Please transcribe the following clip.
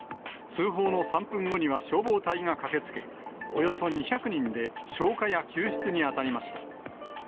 通報の３分後には消防隊が駆けつけ、およそ２００人で消火や救出に当たりました。